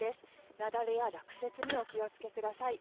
雪崩や落雪にお気をつけください。